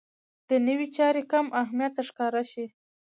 دنیوي چارې کم اهمیته ښکاره شي.